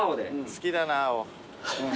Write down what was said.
好きだな青。